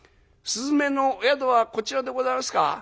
雀の宿はこちらでございますか？」。